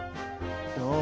どう？